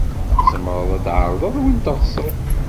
Tzemred ad d-tɛerḍed win teɣsed.